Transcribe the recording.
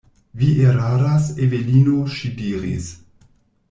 Vi eraras, Evelino, ŝi diris.